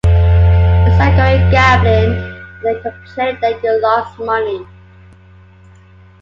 It's like going gambling and then complaining that you've lost money.